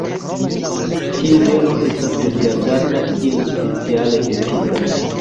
Tiu beno estas rigardata kiel speciale efika.